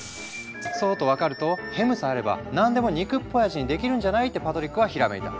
そうと分かるとヘムさえあれば何でも肉っぽい味にできるんじゃない？ってパトリックはひらめいた。